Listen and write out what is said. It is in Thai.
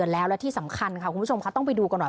และที่สำคัญคุณผู้ชมต้องไปดูกันหน่อย